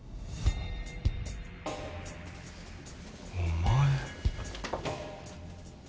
お前。